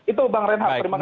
itu bang reinhard terima kasih